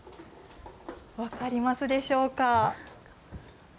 分かりますでしょうか。